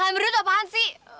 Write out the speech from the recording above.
kalian berdua tuh apaan sih